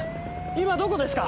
今どこですか？